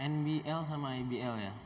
nbl sama ibl ya